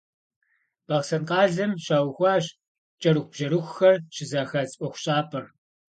Бахъсэн къалэм щаухуащ кӏэрыхубжьэрыхухэр щызэхадз ӏуэхущӏапӏэр.